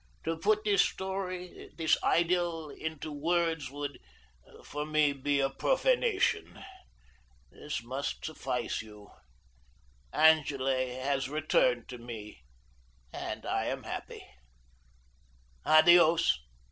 To put this story, this idyl, into words, would, for me, be a profanation. This must suffice you. Angele has returned to me, and I am happy. Adios."